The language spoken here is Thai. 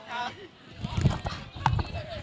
กำลังมาโต่เพลิน